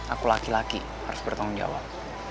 aku laki laki harus bertanggung jawab